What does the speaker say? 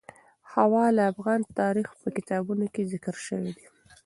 هوا د افغان تاریخ په کتابونو کې ذکر شوی دي.